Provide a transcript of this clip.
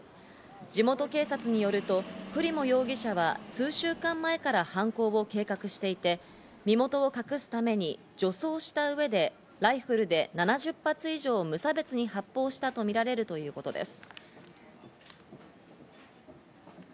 地元警察によると、クリモ容疑者は数週間前から犯行を計画していて、身元を隠すために女装した上でライフルで７０発以上、無差別に発砲したとみられるということです。